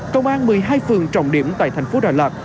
công an một mươi hai phường trọng điểm tại thành phố đà lạt